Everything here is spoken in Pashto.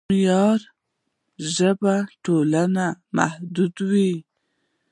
معیاري ژبه ټولنه متحدوي.